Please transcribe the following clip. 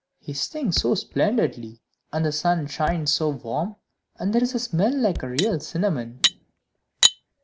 he sings so splendidly. And the sun shines so warm, and there is a smell like real cinnamon!"